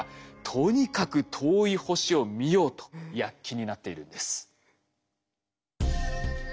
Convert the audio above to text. とにかく遠い星を見ようと躍起になっているんです。